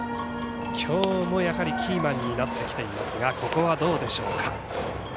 きょうも、やはりキーマンになってきていますがここはどうでしょうか。